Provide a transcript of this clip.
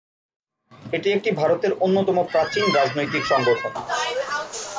এটি একটি ভারতের অন্যতম প্রাচীন রাজনৈতিক সংগঠন।